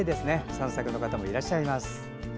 散策の方もいらっしゃいます。